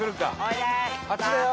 あっちだよ。